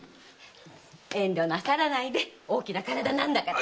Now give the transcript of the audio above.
遠慮なさらないで大きな体なんだから。